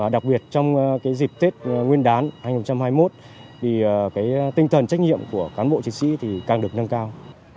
đặc biệt trong dịp tết nguyên đán hai nghìn hai mươi một tinh thần trách nhiệm của cán bộ chính sĩ càng được nâng cao